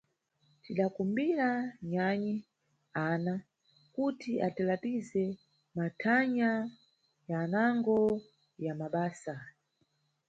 Tidakumbira nyanyi Ana kuti atilatize mathanya yanango ya mabasa.